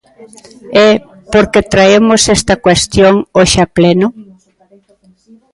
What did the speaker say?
E, ¿por que traemos esta cuestión hoxe a pleno?